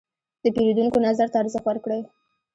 د پیرودونکو نظر ته ارزښت ورکړئ.